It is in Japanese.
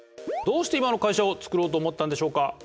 どうして今の会社を作ろうと思ったんでしょうか？